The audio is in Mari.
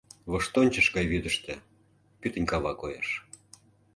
Воштончыш гай вӱдыштӧ пӱтынь кава коеш.